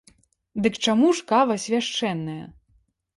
Дык чаму ж кава свяшчэнная?